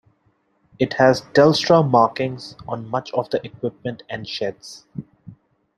It has Telstra markings on much of the equipment and sheds.